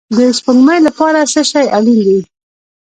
د سپوږمۍ لپاره څه شی اړین دی؟